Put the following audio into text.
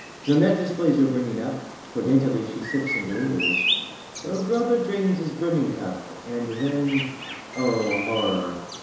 Jeanette displays her bringing up. For daintily she sips and lingers. Her brother drains his brimming cup. And then—oh, horror!